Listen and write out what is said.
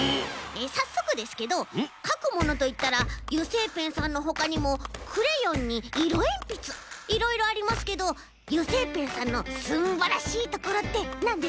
さっそくですけどかくものといったら油性ペンさんのほかにもクレヨンにいろえんぴついろいろありますけど油性ペンさんのすんばらしいところってなんですか？